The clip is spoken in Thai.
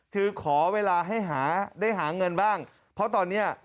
คือขอเวลาให้หาได้หาเงินบ้างเพราะตอนนี้